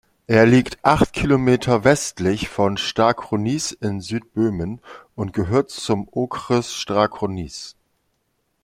Er liegt acht Kilometer westlich von Strakonice in Südböhmen und gehört zum Okres Strakonice.